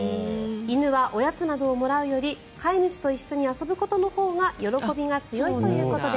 犬はおやつなどをもらうより飼い主と一緒に遊ぶことのほうが喜びが強いということです。